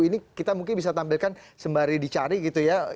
ini kita mungkin bisa tampilkan sembari dicari gitu ya